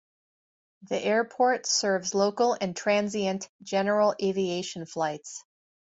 The airport serves local and transient general aviation flights.